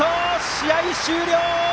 試合終了！